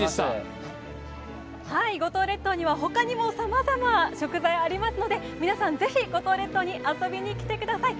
五島列島にはほかにもさまざま食材がありますので皆さん、ぜひ五島列島に遊びに来てください。